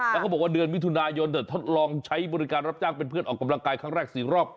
แล้วก็บอกว่าเดือนมิถุนายนทดลองใช้บริการรับจ้างเป็นเพื่อนออกกำลังกายครั้งแรก๔รอบ